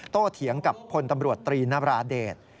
โตเถียงกับพนธบรวจตรีนราเดช